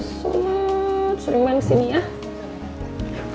sering main kesini ya